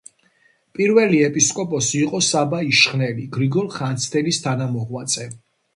პირველი ეპისკოპოსი იყო საბა იშხნელი, გრიგოლ ხანძთელის თანამოღვაწე.